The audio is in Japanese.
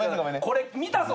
これ見たぞ